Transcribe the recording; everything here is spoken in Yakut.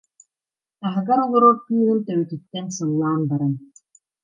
Таһыгар олорор кыыһын төбөтүттэн сыллаан баран: